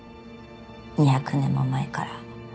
２００年も前から。